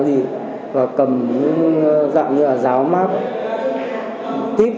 đảng thông tin